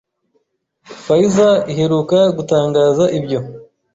Pfizer iheruka gutangaza ibyo